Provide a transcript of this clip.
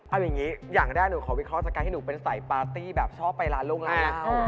เอาอย่างนี้อย่างแรกหนูขอวิเคราะห์จากการที่หนูเป็นสายปาร์ตี้แบบชอบไปร้านล่วงหน้า